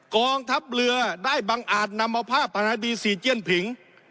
กองทัพเรือได้บังอาจนำเอาภาพฮานาบีซีเจียนผิง